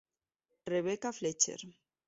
Rebecca Fletcher.